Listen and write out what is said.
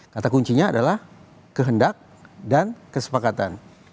kata kuncinya adalah kehendak dan kesepakatan